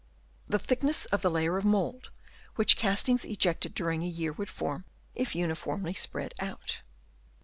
The thickness of the layer of mould, which castings ejected during a year would form if uniformly spread out.